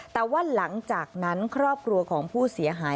แต่ว่าหลังจากนั้นครอบครัวของผู้เสียหาย